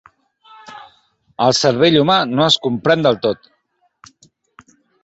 El cervell humà no es comprèn del tot.